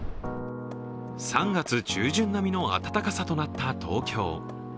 ３月中旬並みの暖かさとなった東京。